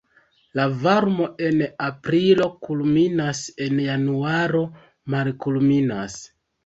La varmo en aprilo kulminas, en januaro malkulminas.